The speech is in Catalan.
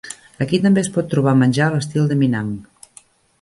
Aquí també es pot trobar menjar a l'estil de Minang.